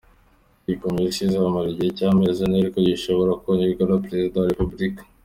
Iyi Komisiyo izamara igihe cy’amezi ane, ariko gishobora kongerwa na Perezida wa Repubulika.